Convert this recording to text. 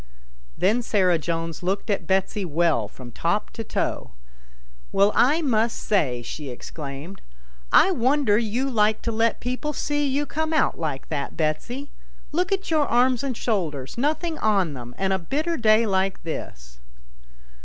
Then Sarah Jones looked at Betsy well from top to toe. " Well, I must say," she exclaimed, " I wonder you like to let people see you come out like that, Betsy. Look at your arms and shoulders, nothing on them, and a bitter day like this."